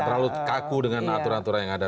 terlalu kaku dengan aturan aturan yang ada